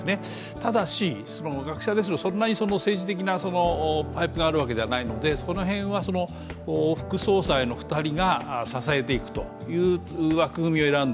ただし、学者ですのでそんなに政治的なパイプがあるわけではないので、その辺は副総裁の２人が支えていくという枠組みを選んだ。